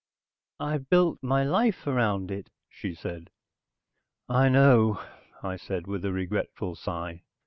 I've built my life around it," she said. "I know," I said with a regretful sigh.